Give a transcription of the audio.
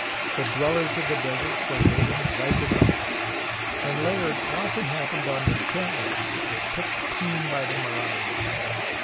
The dwellers of the deserts were raiding right and left, and Tayard often hap pened on encampments that were picked clean by the marauders.